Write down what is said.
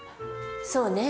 そうね。